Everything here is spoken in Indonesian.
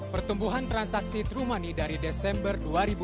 pertumbuhan transaksi true money dari desember dua ribu dua puluh